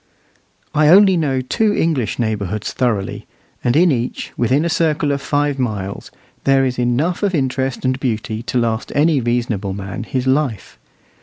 I only know two English neighbourhoods thoroughly, and in each, within a circle of five miles, there is enough of interest and beauty to last any reasonable man his life.